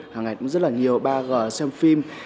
hàng ngày cũng rất là nhiều ba g xem phim